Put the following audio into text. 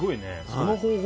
その方法